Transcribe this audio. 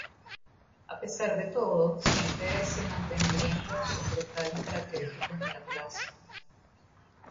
A pesar de todo, siempre se mantendrían los soportales característicos de la plaza.